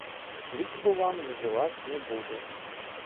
Лічбу вам называць не буду.